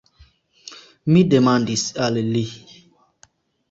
Mi demandis al li.